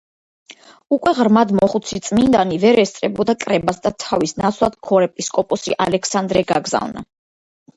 უკვე ღრმად მოხუცი წმიდანი ვერ ესწრებოდა კრებას და თავის ნაცვლად ქორეპისკოპოსი ალექსანდრე გაგზავნა.